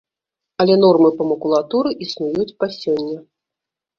Але нормы па макулатуры існуюць па сёння.